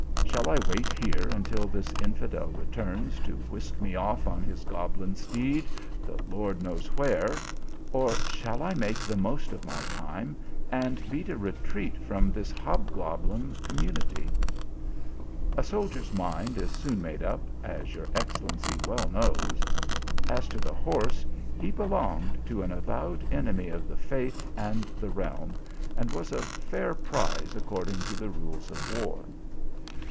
Shall I wait here until this infidel returns to whisk me off on his goblin steed, the Lord knows where ? or shall I make the most of my time, and beat a retreat from this hobgoblin community ? A soldier s mind is soon made up, as your excellency well knows. As to the horse, he belonged to an avowed enemy of the faith and the realm, and was a fair prize according to the rules of war.